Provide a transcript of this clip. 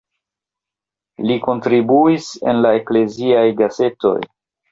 Li kontribuis en la ekleziaj gazetoj.